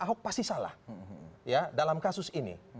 ahok pasti salah ya dalam kasus ini